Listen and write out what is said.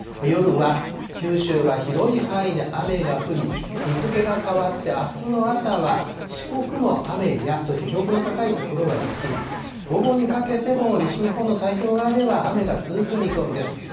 夜は九州は広い範囲で雨が降り、日付が変わってあすの朝は四国も雨や、そして標高の高い所は雪、午後にかけても西日本の太平洋側では雨が続く見込みです。